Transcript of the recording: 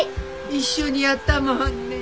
一緒にやったもんね。